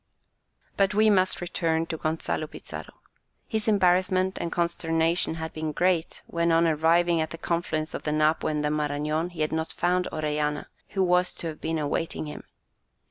But we must return to Gonzalo Pizarro. His embarrassment and consternation had been great, when on arriving at the confluence of the Napo and Marañon, he had not found Orellana, who was to have been awaiting him.